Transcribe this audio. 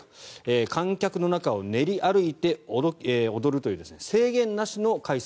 観客の中を練り歩いて踊るという制限なしの開催